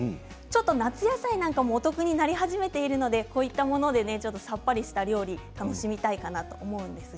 夏野菜なんかもお得になり始めているのでこういったものでさっぱりしたお料理楽しみたいかなと思います。